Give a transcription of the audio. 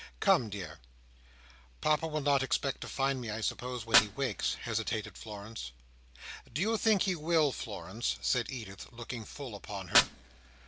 "Come, dear!" "Papa will not expect to find me, I suppose, when he wakes," hesitated Florence. "Do you think he will, Florence?" said Edith, looking full upon her.